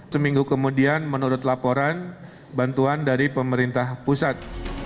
seminggu kemudian menurut laporan bantuan dari pemerintah pusat